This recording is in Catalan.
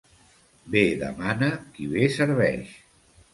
Bé demana qui bé serveix.